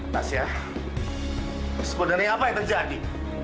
masya sebenarnya apa yang terjadi